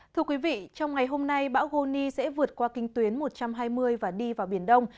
thưa quý vị trong ngày hôm nay bão goni sẽ vượt qua kinh tuyến một trăm hai mươi và đi vào biển đông